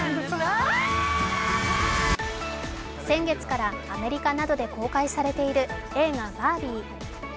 先月からアメリカなどで公開されている映画「バービー」。